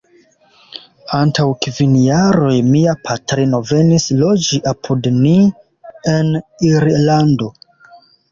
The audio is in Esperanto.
Antaŭ kvin jaroj mia patrino venis loĝi apud ni en Irlando.